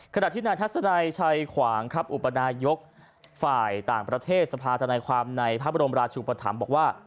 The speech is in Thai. ขณะที่นายทัศนัยชัยขวางครับอุปนายกฝ่ายต่างประเทศสภาธนายความในพระบรมราชุปธรรมบอกว่า